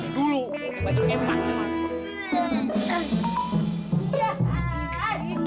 dulu banyak yang panggil